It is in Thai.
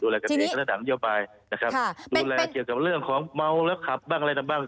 กันเองก็ระดับนโยบายนะครับดูแลเกี่ยวกับเรื่องของเมาแล้วขับบ้างอะไรต่างบ้าง